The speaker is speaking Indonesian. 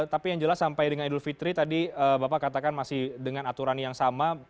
tapi yang jelas sampai dengan idul fitri tadi bapak katakan masih dengan aturan yang sama